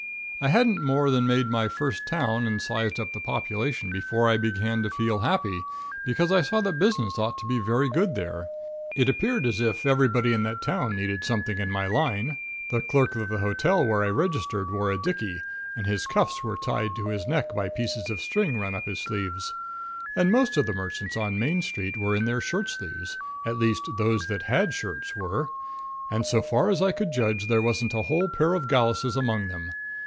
I hadn't more than made my first town and sized up the population before I began to feel happy, because I saw that business ought to be very good there. It appeared as if everybody in that town needed something in my line. The clerk of the hotel where I registered wore a dicky and his cuffs were tied to his neck by pieces of string run up his sleeves, and most of the merchants on Main Street were in their shirt sleeves at least those that had shirts were and so far as I could judge there wasn't a whole pair of galluses among them.